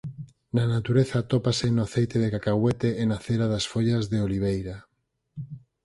Na natureza atópase no aceite de cacahuete e na cera das follas de oliveira.